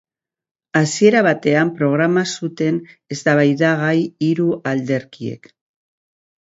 Hasiera batean programa zuten eztabaidagai hiru alderdiek.